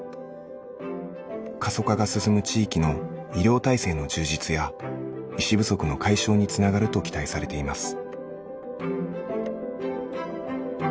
過疎化が進む地域の医療体制の充実や医師不足の解消につながると期待されています。